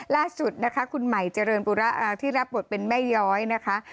ล่าสุดนะคะคุณใหม่เจริญปุระที่รับบทเป็นแม่ย้อยนะคะ